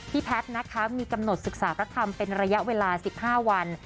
แพทย์นะคะมีกำหนดศึกษาพระธรรมเป็นระยะเวลา๑๕วัน